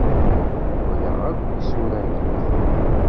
Walaɣ akk isura-nnek.